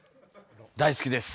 大好きです。